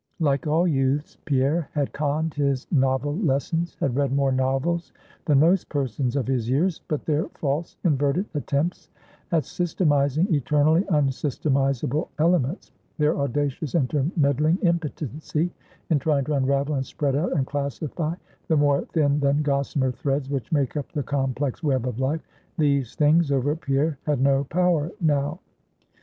Like all youths, Pierre had conned his novel lessons; had read more novels than most persons of his years; but their false, inverted attempts at systematizing eternally unsystemizable elements; their audacious, intermeddling impotency, in trying to unravel, and spread out, and classify, the more thin than gossamer threads which make up the complex web of life; these things over Pierre had no power now.